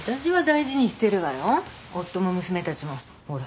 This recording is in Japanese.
夫も娘たちもほら。